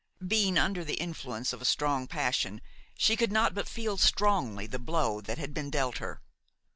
Being under the influence of a strong passion she could not but feel strongly the blow that had been dealt her.